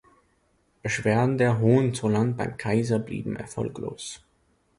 Beschwerden der Hohenzollern beim Kaiser blieben erfolglos.